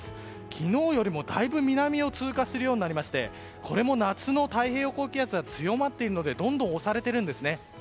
昨日よりもだいぶ南を通過するようになりましてこれも夏の太平洋高気圧が強まっているのでどんどん押されているんですね。